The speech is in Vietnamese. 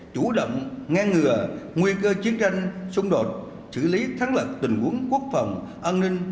chủ động ngang ngừa nguy cơ chiến tranh xung đột xử lý thắng lật tình huống quốc phòng an ninh